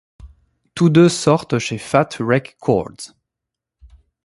Tous deux sortent chez Fat Wreck Chords.